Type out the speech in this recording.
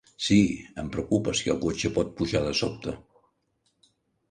Sí, em preocupa si el cotxe pot pujar de sobte.